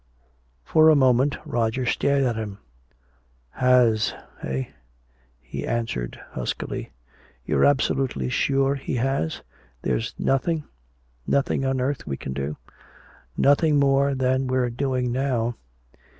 For a moment Roger stared at him. "Has, eh," he answered huskily. "You're absolutely sure he has? There's nothing nothing on earth we can do?" "Nothing more than we're doing now."